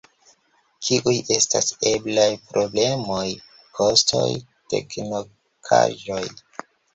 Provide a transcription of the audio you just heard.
Kiuj estas eblaj problemoj, kostoj, teknikaĵoj?